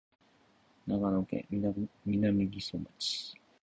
長野県南木曽町